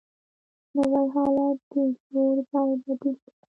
نوی حالت د زوړ ځای بدیل دی